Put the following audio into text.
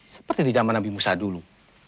seperti di zaman nabi musa dulu